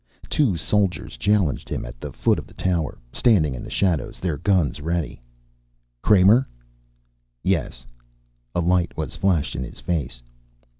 Two soldiers challenged him at the foot of the tower, standing in the shadows, their guns ready. "Kramer?" "Yes." A light was flashed in his face.